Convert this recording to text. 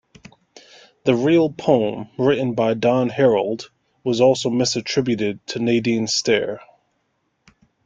The real poem, written by Don Herold, was also misattributed to Nadine Stair.